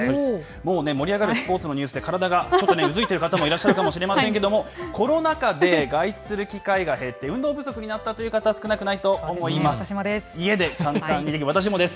もうね、盛り上がるニュースで、体がちょっとうずいている方もいらっしゃるかもしれませんけれども、コロナ禍で外出する機会が減って、運動不足になったという方、私もです。